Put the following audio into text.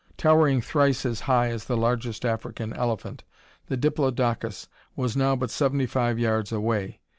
Towering thrice as high as the largest African elephant, the diplodocus was now but seventy five yards away.